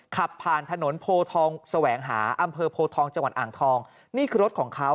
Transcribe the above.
ขับผ่านถนนโพทองแสวงหาอำเภอโพทองจังหวัดอ่างทองนี่คือรถของเขา